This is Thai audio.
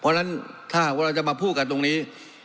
เพราะฉะนั้นถ้าหากว่าเราจะมาพูดกันตรงนี้